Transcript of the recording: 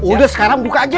udah sekarang buka aja